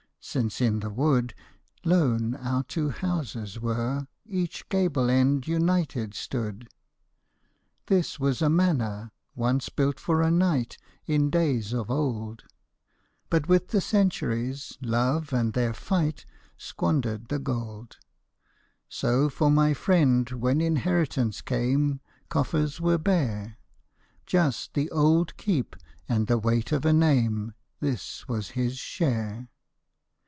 Since in the wood Lone our two houses were^ each gable end United stood. This was a manor once built for a knight In days of old, MY LADY'S SLIPPER But with the centuries love and their fight Squandered the gold. So for my friend, when inheritance came Coffers were bare, Just the old keep and the weight of a name, This was his share.